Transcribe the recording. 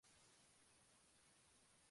Manuel Rodríguez.